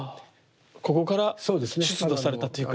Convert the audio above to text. ここから出土されたというか。